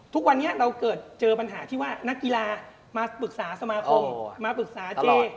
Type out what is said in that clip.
ทุกวันนี้เราเกิดเจอปัญหาที่ว่านักกีฬามาปรึกษาสมาคมมาปรึกษาเจ